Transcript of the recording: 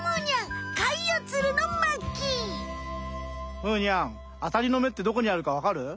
むーにゃんアサリのめってどこにあるかわかる？